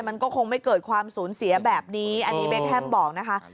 มันก็คงไม่เกิดความสูญเสียแบบนี้อันนี้เบคแฮมบอกนะคะ